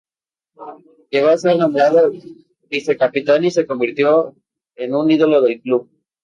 Llegó a ser nombrado vice-capitán y se convirtió en un ídolo del club.